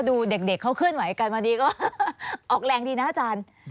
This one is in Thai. ดูเด็กเขาเคลื่อนไหวกันมาดีก็ออกแรงดีนะอาจารย์